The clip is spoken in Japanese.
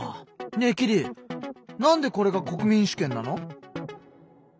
ねえキリなんでこれが国民主権なの？